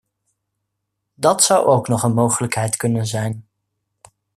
Dat zou ook nog een mogelijkheid kunnen zijn.